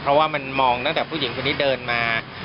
เพราะว่ามันมองตั้งแต่ผู้หญิงคนนี้เดินมา